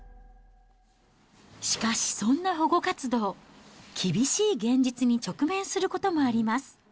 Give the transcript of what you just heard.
しかし、そんな保護活動、厳しい現実に直面することもあります。